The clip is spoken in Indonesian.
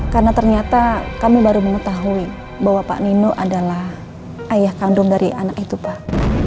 karena ternyata kami baru mengetahui bahwa pak nino adalah ayah kandung dari anak itu pak